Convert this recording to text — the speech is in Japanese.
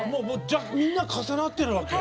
じゃあみんな重なってるわけ？